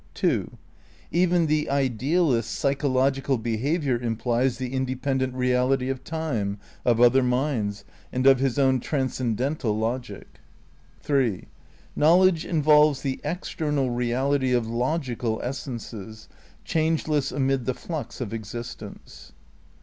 (2) Even the idealist's psychological behaviour im plies the independent reality of time, of other minds, and of his own transcendental logic. (3) Knowledge involves the external reality of logical essences, changeless amid the flux of existence.